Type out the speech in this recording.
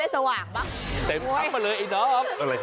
ตอนสักคืนมันจะได้สว่างปะ